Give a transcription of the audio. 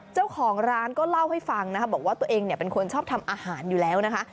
เจ้าของร้านก็เล่าให้ฟังนะคะบอกว่าตัวเองเป็นคนชอบทำอาหารอยู่แล้วนะคะ